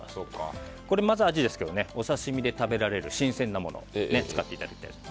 まず、アジですがお刺身で食べられる新鮮なものを使っていただきたいです。